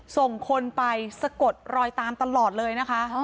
ส่งคนไปสะกดรอยตามตลอดเลยนะคะ